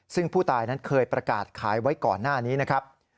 ซึ่งผู้ตายนั้นเคยประกาศขายไว้ก่อนหน้านี้นะครับ